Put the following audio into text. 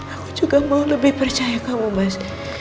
aku juga mau lebih percaya kamu mas